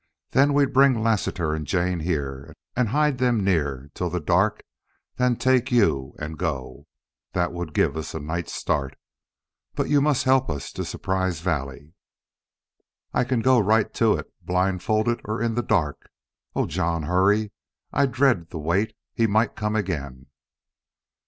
Then we'd bring Lassiter and Jane here and hide them near till dark, then take you and go. That would give us a night's start. But you must help us to Surprise Valley." "I can go right to it, blindfolded, or in the dark.... Oh, John, hurry! I dread the wait. He might come again."